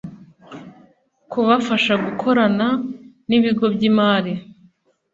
kubafasha gukorana n’ibigo by’imari